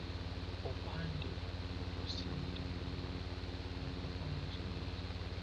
upande wa kusini tanzania imepakana na msumbiji